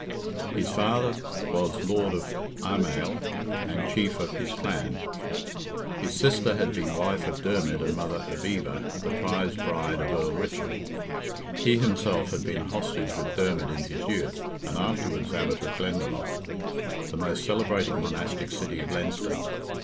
His father was lord of Imayle and chief of his clan; his sister had been wife of Dermid and mother of Eva, the prize bride of Earl Richard. He himself had been a hostage with Dermid in his youth, and afterwards Abbot of Glendalough, the most celebrated monastic city of Leinster.